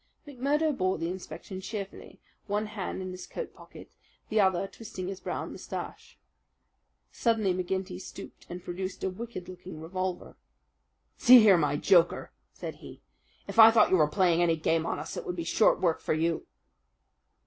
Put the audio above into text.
McMurdo bore the inspection cheerfully, one hand in his coat pocket, the other twisting his brown moustache. Suddenly McGinty stooped and produced a wicked looking revolver. "See here, my joker," said he, "if I thought you were playing any game on us, it would be short work for you."